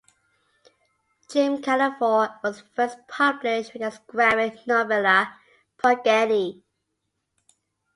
Jim Calafiore was first published with his graphic novella, "Progeny".